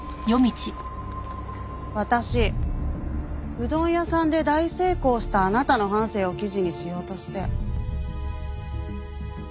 私うどん屋さんで大成功したあなたの半生を記事にしようとして。